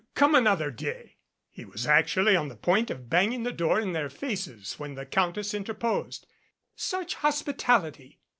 Come an other day " He was actually on the point of banging the door in their faces when the Countess interposed. "Such hospitality!"